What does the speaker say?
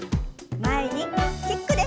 前にキックです。